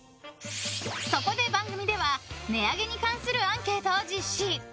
そこで番組では値上げに関するアンケートを実施。